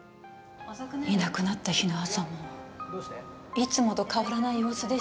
いなくなった日の朝もいつもと変わらない様子でしたし。